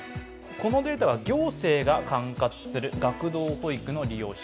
このデータは行政が管轄する学童保育の利用者。